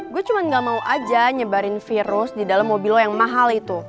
gue cuma gak mau aja nyebarin virus di dalam mobil low yang mahal itu